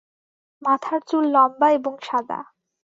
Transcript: মাথার চুল লম্বা এবং সাদা।